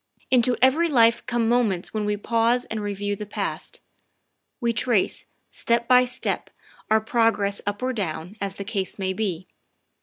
Into every life come moments when we pause and re view the past. We trace, step by step, our progress up or down, as the case may be.